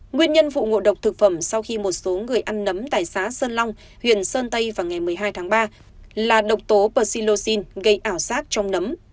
nguyên nhân học sinh ngộ độc thực phẩm sau khi một số người ăn nấm tại xá sơn long huyện sơn tây vào ngày một mươi hai tháng ba là độc tố persilocin gây ảo sát trong nấm